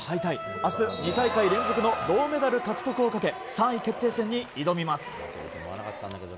明日、２大会連続の銅メダル獲得をかけ３位決定戦に挑みます。